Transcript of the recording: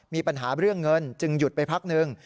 มีปัญหาเรื่องเงินจึงหยุดไปพักหนึ่ง